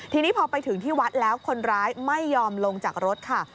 ทีนี้พอไปถึงที่วัดแล้วคนร้ายไม่ยอมลงจากรถค่ะ